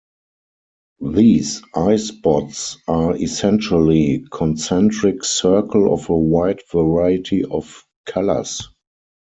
These eyespots are essentially concentric circle of a wide variety of colours.